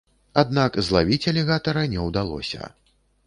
Аднак злавіць алігатара не ўдалося.